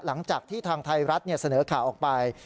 หลังจากที่ทางไทยรัฐเสนอข่าวออกไป